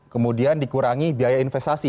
kemudian dikurangi biaya investasi